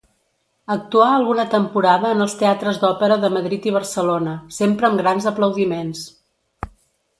Actuà alguna temporada en els teatres d’òpera de Madrid i Barcelona, sempre amb grans aplaudiments.